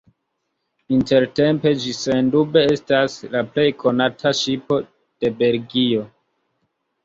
Intertempe ĝi sendube estas la plej konata ŝipo de Belgio.